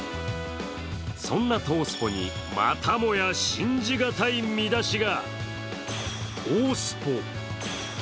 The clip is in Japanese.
そんな東スポに、またもや信じがたい見出しが。